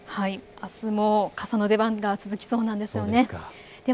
あすも傘の出番が続きそうなんです。